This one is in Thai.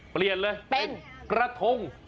เปลี่ยนเลยเป็นกระทง